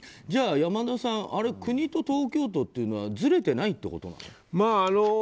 じゃあ山田さん国と東京都ってずれてないってことなの？